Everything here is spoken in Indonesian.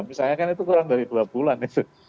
misalnya kan itu kurang dari dua bulan itu